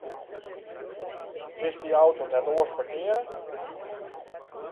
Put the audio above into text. Kinst dy auto net oars parkearje?